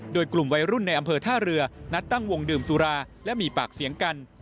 โดยกลุ่มวัยรุ่นในอำเภอท่าเรือนัดตั้งวงดื่มสุราและมีปากเสียงกัน